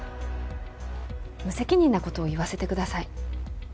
無責任なことを言わせてください。